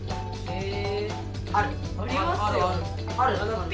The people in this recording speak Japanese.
へえ。